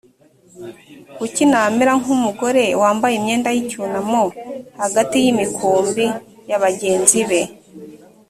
kuki namera nk umugore wambaye imyenda y icyunamo hagati y imikumbi ya bagenzi bawe